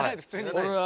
俺は。